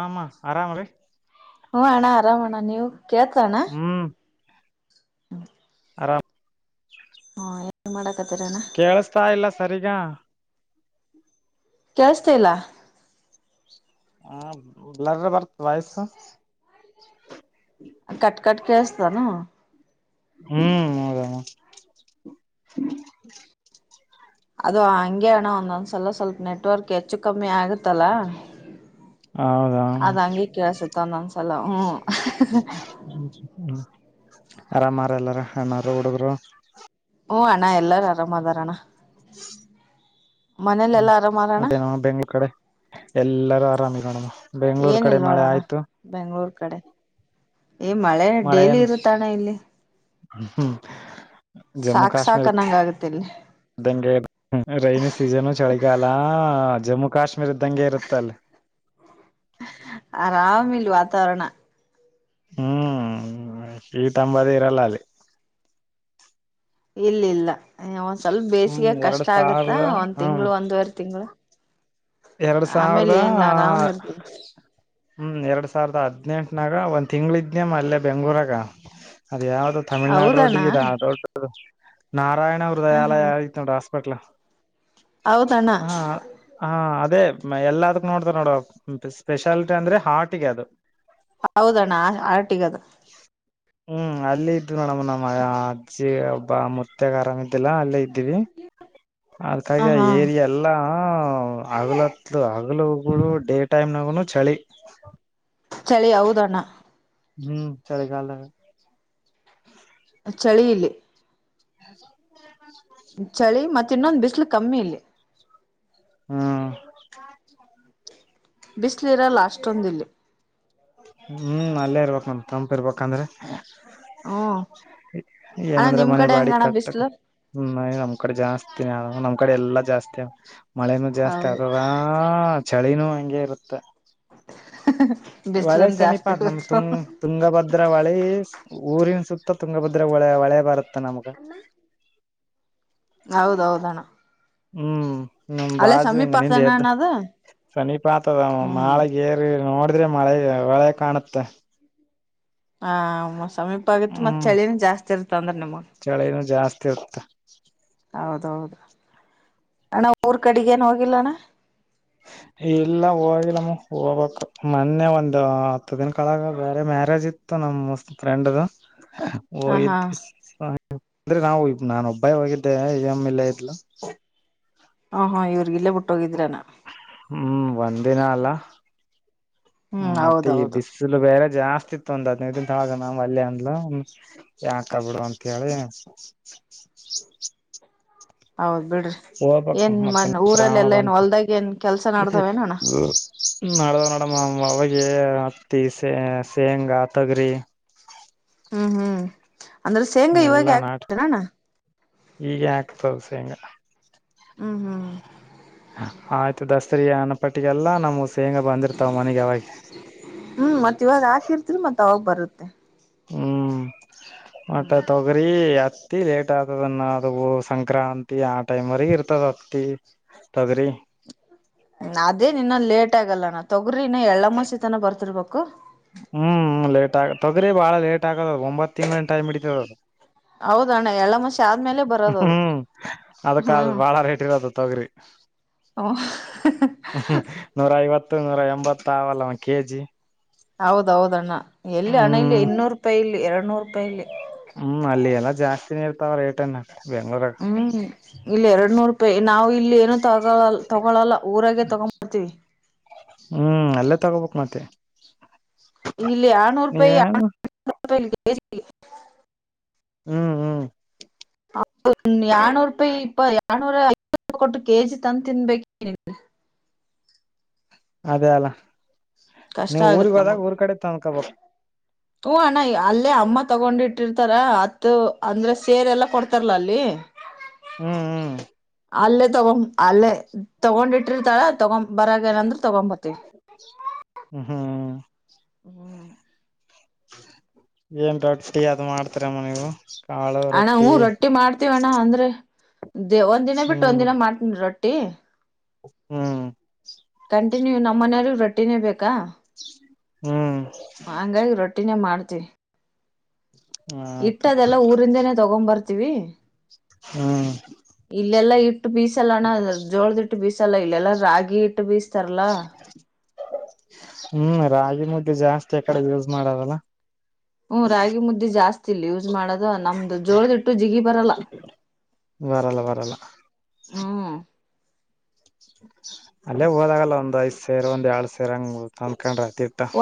ಆಮ್ಮ ಆರಾಮ್ರೀ ಹ್ಮ ಅಣ್ಣ ಆರಾಮ ಅಣ್ಣ ನೀವು ಕೇಳ್ತ ಅಣ್ಣ ಹ್ಮ್ ಹ್ಮ ಆರಾಮ ಹಾ ಮಾಡ ಕೇೇಳಸ್ತಾ ಇಲ್ಲ ಸರಿಗ ಕಳ್ಸ್ತ ಇಲ್ಲ ಹ ಬಲ್ರ ಬರ್ತ್ ವಯಸು ಕಟ್ ಕಟ ಕೇಳ್ಸ್ತಾನೋ ಹ್ಮ್ ಹೌದಾಮ ಅದು ಹಂಗೆ ಅಣ್ಣ ಒಂದೊಂದ್ಸಲ ಸ್ವಲ್ಪ ನೆಟ್ವರ್ಕ್ ಹೆಚ್ಚು ಕಮ್ಮಿ ಆಗತ್ತಲ್ಲ ಹೌದಾ ಅದಂಗಗೆ ಕೇಳಸುತ್ತ ಒಂದೊಂದ್ಸಲ ಹ್ಮ್ ಹ್ಮ್ ಆರಾಮಾರ ಎಲ್ಲಾರ ಅನಾರ ಹುಡುಗರು ಹಓ್ಅಣ್ಣ ಎಲ್ಲಾರ ಆರಾಮ್ದಾರಣ್ಣ ಹ್ಮ ಎಲ್ಲಾ ಆರಾಮಾರಣ್ಣ ಮತ್ತೆ ನಾವ ಬೆಂಗ್ಳೂರ್ ಕಡೆ ಎಲ್ಲಾರೂ ಆರಾಮಿರೋಣ್ ಏನಿಲ್ ನೋಡೋಣ ಬೆಂಗ್ಳೂರ್ ಕಡೆ ಏ ಮಳೆ ಡೇಲಿ ಇರುತ್ತ ಅಣ್ಣ ಇಲ್ಲಿ ್ಮ ಜಮ್ಮು ಸಾಕ್ ಸಾಕ್ ಕಾಶ್ಮೀರ್ ಅನ್ನಂಗ ಆಗತ್ತ ಇಲ್ಲಿ ಹೆಂಗೆ ರೈನಿ ಸೀಸನು ಚಳಿಗಾಲ ಜಮ್ಮು ಕಾಶ್ಮೀರ್ ಇದ್ದಂಗೆ ಇರುತ್ತಲ್ಲಿ ಆರಾಮಿಲ್ಲ ವಾತಾವರಣ ಹ್ಮ್ ಹೀಟ್ ಅಂಬೋದೇ ಇರಲ್ಲ ಅಲ್ಲಿ ಇಲ್ಲ ಇಲ್ಲ ಒಂದ್ ಸ್ವಲ್ಪ ಹ್ಮ್ ಬೇಸಿಗೆ ಎರಡ್ ಕಷ್ಟ ಆಗತ್ತಾ ಸಾವಿರದ ಒಂದ್ ಹ್ಮ್ ತಿಂಗಳ ಒಂದೂವರೆ ತಿಂಗಳು ಎರಡ್ ಆಮೇಲೆ ಸಾವಿರದ ಏನ್ಲ ಆರಾಮ್ ಇರ್ತದ ಹ್ಮ್ ಎರಡ್ ಸಾವಿರದ ಹದ್ನೆಂಟನಾಗ ಒಂದ್ ತಿಂಗ್ಳ ಇದನೇಮ್ಮ ಅಲ್ಲೆ ಬೆಂಗ್ಳೂರಾಗ ಅದ ಯಾವ್ದದು ತಮಿಳ್ನಾಡು ಹೌದಣ್ಣ ರೋಡ್ಡಗ ಇ ರೊಡ್ ನಾರಾಯಣ ಹ ಹಾ ಹೃದಯಾಲಯಐ ನೋಡ ಪೆಟ್ಲು ಹೌದಣ್ಣ ಹ ಹ ಅದೇ ಎಲ್ಲದಕ್ ನೋಡ್ತಾರ ನೋಡ ಸ್ಪೆಷಾಲಿಟಿ ಅಂದ್ರೆ ಹಾರ್ಟ್ಗೆ ಅದು ಹೌದಣ್ಣ ಹಾರ್ಟ್ಗದು ಹ್ಮ್ ಅಲ್ಲೇ ಇದ್ನೋಡಮ ನಮ್ಮ ಅಜ್ಜಿ ಒಬ್ಬ ಮುತ್ತಗ ಆರಾಮ ಇದ್ದಿಲ್ಲಾ ಅಲ್ಲೇ ಇದ್ದೀವಿ ಹ ಅದಕಾಗಿ ಹಾ ಏರಿ ಎಲ್ಲಾ ಹಗಲತ್ಲು ಹಗಲು ಡೇ ಟೈಮ್ ನಾಗುನು ಚಳಿ ಚಳಿ ಹೌದಣ್ಣ ಹ್ಮ್ ಚಳಗಾಲ ಚಳಿ ಇಲ್ಲಿ ಹ ಚಳಿ ಮತ್ತ ಇನ್ನೊಂದು ಬಿಸ್ಲು ಕಮ್ಮಿ ಇಲ್ಲಿ ಹ್ಮ್ ಬಿಸಿ್ಲ ಇರಲ್ಲ ಅಷ್ಟೊಂದ ಇಲ್ಲಿ ಹ್ಮ್ ಅಲ್ಲೇ ಇರ್ಬೇಕಕ್ ನ ತಂಪ ಇರ್ಬೇಕಂದ್ರೆ ಹ ಏನಂದ್ರೆ ಮನೆ ಬಾಡಿ ಕಟ್ಟಕ್ ಬಿಸ್ಲು ನಮ್ ಕಡೆ ಜಾಸ್ತಿನ ನಮ ಕಡೆ ಎಲ್ಲಾ ಜಾಸ್ತಿ ಮಳೆನೂ ಜಾಸ್ತಿ ಹೌದು ಆದ್ರ ಚಳಿನೂ ಹಂಗೆ ಇರುತ್ತೆ ಹೊಳೆ ಬಿಸ್ಲನ್ ಸಮೀಪ ಜಾಸ್ತಿ ಅತ್ ನಮ್ ಇರುತ್ತ ತುಂಗ ತುಂಗಭದ್ರ ಹೊಳೆ ಊರಿನ್ ಸುತ್ತ ತುಂಗಭದ್ರಾಗ ಒಳ ಒಳೆ ಬಾರತ್ತ ನಮ್ಗ ಹೌದೌದಣ್ಣ ಹ್ಮ್ ನ ಅಲ್ಲೇ ಬಾಜು ಸಮೀಪ ಹಿಂಗ ನಿಂದ ಎದ್ದು ಆಗ್ತಾನಣ್ಣ ಅದು ಸನೀಪ ಆತದ ಹ್ಮ್ ಮಾಳೆ ಏರಿ ನೋಡಿ ಅಂದ್ರೆ ಮಳೆ ಒಳೆ ಕಾಣುತ್ತೆ ಹ ಸಮೀಪ ಆಗಿತ್ತು ಮತ್ತತ್ ಚಳಿನ ಜಾಸ್ತಿ ಇರ್ತ ಅಂದ್ರ ನಿಮಗ್ ಚಳನೂ ಜಾಸ್ತಿ ಆತ ಹೌದು ಅಣ್ಣ ಊರ್ ಕಡೆಗೇನು ಹೋಗಿಲ್ಲ ಅಣ್ಣ? ಇಲ್ಲ ಹೋಗಿಲ್ಲಮ್ಮ ಹೋಗ್ಬಕ್ ಮೊನ್ನೆ ಒಂದ ಹತ್ತು ದಿನ ಕಳಗ ಬೇರೆ ಮ್ಯಾರೇಜ್ ಇತ್ತು. ನಮ್ಮ್ ಮಸ್ತ್ ಫ್ರೆಂಡ್ಸ, ಹ ಹಾ ಅಂದ್ರೆ ನಾವು ಇ ನಾನು ಒಬ್ಬಾಯಿ ಹೋಗಿದ್ದೆ ಎಮ ಇಲ್ಲ. ಹ ಹಾ ಇವ್ರರ್ ಇಲ್ಲೇ ಬಿುಟ್ಟ ಹೋಗಿದ್ರಾನ. ಹ್ಮ್ ಒಂದಿನ ಅಲ್ಲ ಹ್ಮ್ ಮತ್ತೆ ಈ ಹೌದೌದು ಬಿಸಿಲು ಬೇರೆ ಜಾಸ್ತಿ ಇತ್ತು ಒಂದ್ ಹದ್ನೈದು ದೊಳಗ ನಾವ್ ಅಲ್ಲಿ ಅಂದ್ಲ ಯಾಕಾಗಬಿಡು ಅಂತ ಹೇಳಿ [unintelligible] ಹೌದು ಬಿಡ್ರಿ ಹೋಗ್ಬೇಕ ಏನ್ ಮತ್ತೆ ಮನ್ ಊರಲ್ಲ ಶ್ರಾವಣ ಎಲ್ಲಾ ಏನ್ ಬಂತ ಹೊಲ್ದಾಗ ಏನ್ ಕೆಲ್ಸ ನ್ದಾವ ನೋಣ. ನಡದ್ ನಡಮ್ಮ ಅವಾಗ ಹತ್ತಿ ಸೇ ಶೇಂಗ ಆ ತೊಗರಿ [unintelligible] ಹ್ಮ್ ಹ್ಮ್ ಅಂದ್ರೆ ಶೇಂಗಾ ಇವಾಗ ಎಲ್ಲಾ ನಾಟ ಆಾಕ್ಬಣಣ್ಣ ಈಗ ಆಗ್ತದ ಶೇಂಗಾ ಹ್ಮ್ ಹ್ಮ್ ಆಯ್ತು ದಸ್ತರಿ ಅನ್ನ ಪಟ್ಟಿಗೆಲ್ಲ ನಮ್ಮ ತೇಂಗ ಬಂದಿರ್ತಾವ ಮನೆಗೆ ಯಾವಾಗ ತಾ ಬರುತ್ತೆ ಹ್ಮ್ ಮಟ ತಗ್ರಿ ಆ ಅತ್ತತಿ ಲೇಟ್ ಆಗ್ತದನ್ನ ಅದು ಸಂಕ್ರಾಂತಿ ಆ ಟೈಮ್ವರೆಗ ಇರ್ತದ ಅತ್ತತಿ ತೊಗರಿ ಅದೇ ನಿನ್ನೊ ಲೇಟ್ ಆಗಲ್ಲ ನ ತೊಗ್ರಿ ಇನ್ನ ಎಳ್ಳಮ್ಮಸಿತನ ಬರ್ತಿರ್ಬೇಕು. ಹ್ಮ್ ಲೇಟ್ ಆಗತದ್ರೆ ಬಾಳ ಲೇಟ್ ಆಗದದ ಒಂಬತ್ ತಿಂ್ಗಳ ಟೈಮ್ ಇಡತದದು ಹೌದಣ್ಣ ಎಳ್ಳಮಸಿ ಆದ್ಮೇಲೆ ಬರೋದದು ಹ್ಮ್ ಅದಕ್ಕ ಹ್ಮ್ ಬಾಳ ರೇಟ್ ಇರದ ತಗ್ರಿ ಹ ನೂರ ಐವತ್ತು ಇತ್ತ ನೂರ ಎಂಬತ್ತ ಆಾವಲ್ಲವಾ ಕೆಜಿ ಹೌದೌದ ಅಣ್ಣ ಎಲ್ಲಿ ಹಣ ಇಲ್ಲಿ ಹ್ಮ್ ಇನ್ನೂರು ರೂಪಾಯಿ ಇಲ್ಲಿ ಎರಡ್ನೂರು ರೂಪಾಯಿ ಇಲ್ಲಿ. ಹ್ಮ್ ಅಲ್ಲಿ ಎಲ್ಲಾ ಜಾಸ್ತಿನೇ ಇರ್ತಾವ ರೇಟನ. ಹ್ಮ್ ಇಲ್ಲ ಎರಡ್ ನೂರು ರೂಪಾಯಿ ನಾವು ಇಲ್ಲಿ ಏನ ತ ತಗೊಳಲ್ಲ ಊರಾಗೆ ತಗೊಂಬ್ತೀವಿ. ತಗೋಬಕ್ ಮತ್ತೆ ಇಲ್ಲಿ ಆರ್ನೂರು ರೂಪಾಯಿೂ ನೀವೇನ್ ರೂಪಾಯಿ. ಹ್ಮ್ ಹ್ಮ್ ಎರನೂರ ಐ ಕೊಟ್ಟು ಕೆಜಿ ತಂದು ತಿನ್ಬೇಕನ್ ಅದೇ ಅಲ್ಲ ಕಷ್ಟ ನೀವು ಆಗತ್ ಊರ್ಗ್ ಹೋದಾಗ ನಮಗ್ ಊರ್ ಕಡೆ ತಂದ್ಕೊಬ ಹೂ ಅಣ್ಣ ಅಲ್ಲೇ ಅಮ್ಮ ತಗೊಂಡ್ಿಟ್ಟಿರ್ತಾರ ಅತ್ತು ಅಂದ್ರೆ ಸೇರೆಲ್ಲಾ ಕೊಡ್ತಾರಲ್ಲಾ ಅಲ್ಲಿ ಹ್ಮ್ ಹ್ಮ್ ಅಲ್ಲೇ ತಗೊೊಂಡ ಅಲ್ಲೇ ತಗೊಂಡಿಟ್ಟಿರ್ತಾರ ತಗೊಂಡ ಬರಗ ಏನಂದ್ರ ತಗೊಂಬತಿವಿ ಹ್ಮ್ ಹ್ಮ್ ಹ್ಮ್ ಏನ್ ರೊಟ್ಟಿ ಅದು ಮಾಡ್ತರ ಮನಗೂ ಅಣ ಹೂಞ ರೊಟ್ಟಿ ಮಾಡ್ತೀವ ಅಣ್ಣ ಅಂದ್ರೆ ದ ಒಂದ್ ದಿನ ಬಿಟ್ಟು ಒಂದ ಹ್ಮ್ ದಿನ ಮಾಡ್ತ ರೊಟ್ಟಿ ತ್ತ ಹ್ಮ್ ಕಂಟಿನ್ಯೂ ನಮ್ಮನೆಯವ್ರ ರೊಟ್ಟಿನೇ ಬೇಕಾ ಹ್ಮ್ ಹಂಗಾಗಿ ರೊಟ್ಟಿನೇ ಮಾಡ್ತಿ ಆಯ್ತ ಇಟ್ಟದೆಲ್ಲ ಊರಿಂದೇನೆ ತಗೊಂಡ್ಂಬರ್ತೀವಿ ಹ್ಮ್ ಇ ಬಸಲ್ಲಣ್ಣ ಜೋಳದಿಟ್ಟು ಬೀಸಲ್ಲ ಇಲ್ಲ ಎಲ್ಲಾ ರಾಗಿ ಇಟ್ಟು ಬೀಸ ಹ್ಮ್ ರಾಗಿ ಮುದ್ದೆ ಜಾಸ್ತಿ ಆ ಕಡೆ ಯೂಸ್ ಮಾಡಾರಲ್ಲ ಹ್ಮ ರಾಗಿ ಮುದ್ದೆ ಜಾಸ್ತಿ ಇಲ್ಲ ಯೂಸ್ ಮಾಡೋದು ನಮ್ದು ಜೋಳದಿಟ್ಟು ಜಿಗಿ ಬರಲ್ಲ ಬರಲ್ಲ ಬರಲ್ಲ ಹ್ಮ್ ಅಲ್ಲೇ ಹೋದಾಗಲ್ಲ ಒಂದ್ ಐದ್ ಸೇರ್ ಒಂದ್ಏಳಳ್ ಸೇರ ಹಂಗ ತಂದಕೊಂಡ್ರ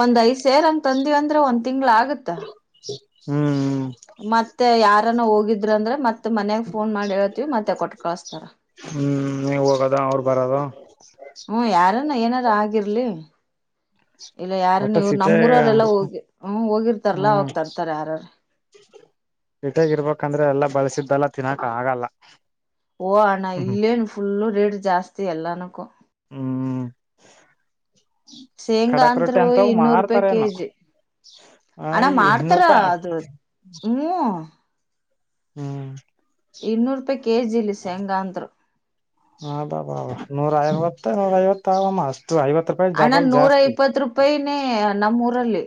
ಒಂದ್ ಐದ್ ಸಾವರ ಹಂಗ ತಂದಿವವಂದ್ರೆ ಒಂದ್ ತಿಂಗಳ ಆಗತ್ತ ಹ್ಮ್್ಮ ಮತ್ತೆ ಯಾರಾನ ಹೋಗಿದ್ರ ಅಂದ್ರೆ ಮತ್ತೆ ಮತ್ತ ಮನ್ಯಾಗ ಫೋನ್ ಮಾಡಿ ಹೇಳ್ತಿೀವಿ ಮತ್ತೆ ಕೊಟ್ಟ ಕಳಸ್ತಾರ ನೀವು ಹೋಗೋದ ಅವ್ರು ಬರದು ಹ್ಮ ಯಾರಾನ ಏನಾರು ಆಗಿರ್ಲಿ ಇಲ್ಲ ಯಾರನ ಒಟ್ಟ ಇವ್ರು ಸಿಟಿ ನಮ್ಮೂಊರವ್ರ ಎಲ್ಲ ಹೋಗಿ ಹ ಹೋಗಿರ್ತಾರಲ್ಲಾ ಅವ ತರ್ತಾರ ಯಾರಾರ ಹಟಗ ಇರ್ಬೇಕಂದ್ರೆ ಎಲ್ಲಾ ಬಳ್ಸಿದ್ದಲ್ಲ ತಿನ್ನಕ್ ಆಗಲ್ಲ ಓ ಅಣ್ಣ ಇಲ್ಲೇನು ಫುಲ್ಲು ರೇಟ್ ಜಾಸ್ತಿ ಎಲ್ಲಾನಕ್ಕ [inaudible] ಶೇಂಗಾ ಕಡಕ್ ರೊಟ್ಟಿ ಅಂತ್ರು ಅಂತವು ಇನ್ನೂರು ರೂಪಾಯಿ ಮಾರ್ತಾರೇನು ಕೆಜಿ ಅಣ ಇನ್ನೂರು ಮಾಡ್ತಾರ ರೂಪಾಯಿ ಅದು ಹ್ಮ ಹ್ಮ್ ಇನ್ನೂರು ರೂಪಾಯಿ ಕೆಜಿ ಇಲ್ಲಿ ಶೇಂಗಾಂದರು ಹ ಬಬ ನೂರ ಐವತ್ತು ನೂರ ಐವತ್ತು ಆ ಮಾಸ್ ಹಣ್ಣ ನೂರ ಇಪ್ಪತ್ ರೂಪಾಯಿನೇ ನಮ್ಮೂಊರಲ್ಲಿ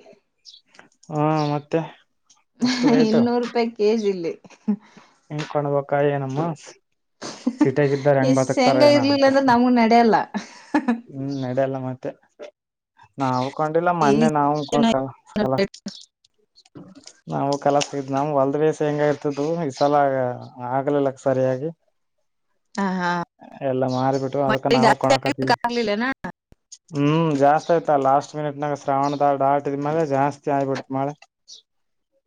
ಹಾ ಮತ್ತೆ ಅಷ್ಟು ಇನ್ನೂರು ರೂಪಾಯಿ ಕೆಜಿ ಇಲ್ಲಿ ಹನ್ ಕೊಂಡ್ಬ ಏನಮ್ಮ ಸೀಟೆಾಗ್ದಾರೆ ಹೆಂಗ್ ಇಷ್ಟ್ ಬದುಕ್ತಾರ ಶೇಂಗಾ ಏನ ಇರ್ಲಿಲ್ಲ ಅಂತ ಅಂದ್ರೆ ನಮಗ್ ನಡೆಯಲ್ಲ ಹ್ಮ್ ನಡಲ್ಲ ಮತ್ತೆ ನಾವು ಕಕೊಂಡಿಲ್ಲ ಇಲ್ಲಿ ಮೊನ್ನೆ ನಾವಲ್ಲಲ್ಲ ನಾವು ಕೆಲ ಸಿಗ್ ನಮ ಹೊಲ್ದೇ ಹೆಂಗ ಇರ್ತದ ಈಗ ಸಲ ಆಗ್ಲಿಲ್ಲಕ್ಕ ಸರಿಯಾಗಿ ಹಾ ಹಾ ಎಲ್ಲ ಮಾರಿಬಿಟ್ಟು ಅದಕ್ಕ ನಾವವು ಕಣಕತೀವಿ ಿಲ್ಲನಾ ಹ್ಮ್ ಜಾಸ್ತಿ ಆಯ್ತಾ ಲಾಸ್ಟ್ ಮಿನಿಟ್ನಾಗ ಶ್ರಾವಣ ದಾಡ್ ಆಾಟಿದ್ಮೇಲೆೆ ಜಾಸ್ತಿ ಆಗಿಬಿಟ್ ಮಳೆ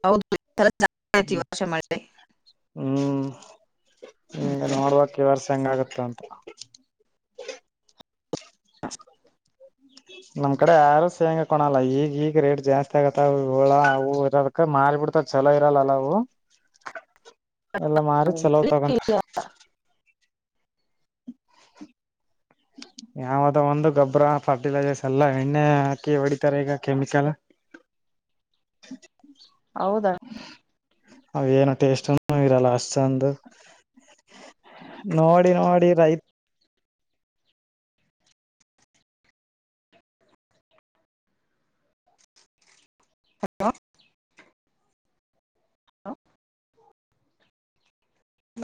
ಹೌದು ಜತಿ ವಶ ಮೆ ಹ್ಮ ನೋಡ್ುವಕ್ ಈ ವರ್ಷ ಹೆಂಗಗತ್ತ ಅಂತ ಹ ನಮ್ ಕಡೆ ಯಾರು ಸೇಂಗಕಣಲ್ಲ ಈಗ ಈಗ ರೇಟ್ ಜಾಸ್ತಿ ಆಗತ್ತ ಹಳ ಹೂ ಇರದ ನ ಬಿಡ್ತ ಛಲೋ ಇರಲ್ಲಲ್ಲವು [inaudible] ಎಲ್ಲಾ ಮಾರಿ ಚಲೋ ತಗೊಂತ [inaudible] ಯಾವದ ಒಂದು ಗೊಬ್ಬ್ರ ಫರ್ಟಿಲೈಸರ್ಸ್ ಎಲ್ಲಾ ಎಣ್ಣೆ ಹಾಕಿ ಹೊಡಿತಾರೆ ಈಗ ಕೆಮಿಕಲ್ [inaudible] ಹೌದಾ ಅವೇಏನು ಟೇಸ್ಟ್ನು ಇರಲ್ಲ ಅಷ್ಟ ಚಂದ ನೋಡಿ ನೋಡಿ ರೈತ [inaudible] ಹಲೋಲ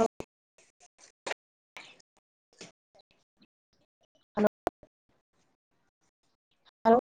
ಹ ಹಲೋ